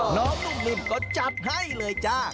หนุ่มนิ่มก็จัดให้เลยจ้า